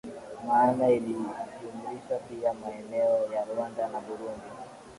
maana ilijumlisha pia maeneo ya Rwanda na Burundi